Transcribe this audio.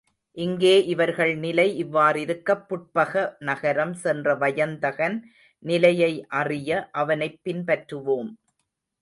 இங்கே இவர்கள் நிலை இவ்வாறிருக்கப் புட்பக நகரம் சென்ற வயந்தகன் நிலையை அறிய அவனைப் பின்பற்றுவோம்.